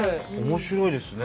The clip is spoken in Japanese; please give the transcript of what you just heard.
面白いですね。